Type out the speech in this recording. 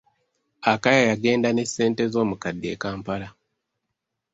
Akaya yagenda ne ssente z'omukadde e kampala.